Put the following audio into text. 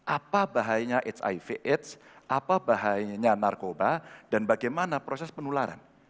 apa bahayanya hiv aids apa bahayanya narkoba dan bagaimana proses penularan